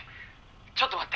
ちょっと待って。